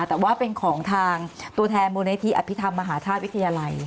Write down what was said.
แต่ว่าเป็นของทางตัวแทนมูลนิธิอภิษฐรรมมหาธาตุวิทยาลัย